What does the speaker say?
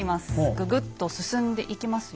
ぐぐっと進んでいきますよ。